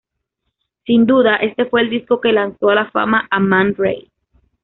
Sin duda este fue el disco que lanzo a la fama a Man Ray.